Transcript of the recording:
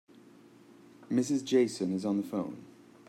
Mrs. Jason is on the phone.